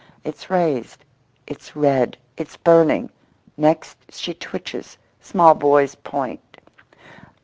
It's raised, it's red, it's burning. Next she twitches. Small boys point.